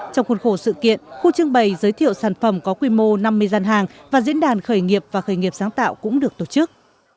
trong khuôn khổ sự kiện khu trưng bày giới thiệu sản phẩm có quy mô năm mươi gian hàng và diễn đàn khởi nghiệp và khởi nghiệp sáng tạo cũng được tổ chức